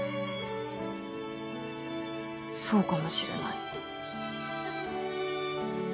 そうかもしれない。